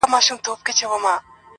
وږي ته ماښام ليري دئ.